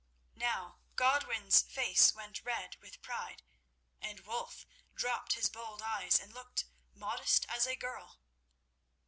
Now Godwin's white face went red with pride, and Wulf dropped his bold eyes and looked modest as a girl.